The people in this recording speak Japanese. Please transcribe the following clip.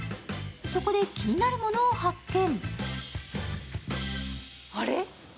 そこで気になるものを発見。